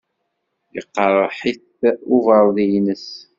Yeqreḥ-it ubeṛdi-nnes.